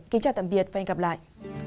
kính chào tạm biệt và hẹn gặp lại